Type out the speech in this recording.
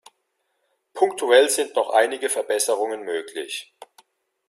Punktuell sind noch einige Verbesserungen möglich.